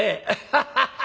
アハハハ！